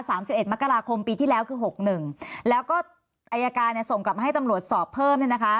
สิบเอ็ดมกราคมปีที่แล้วคือหกหนึ่งแล้วก็อายการเนี่ยส่งกลับมาให้ตำรวจสอบเพิ่มเนี่ยนะคะ